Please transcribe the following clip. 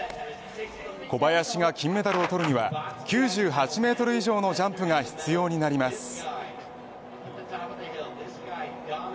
小林が金メダルを取るには９８ｍ以上のジャンプが必要になります。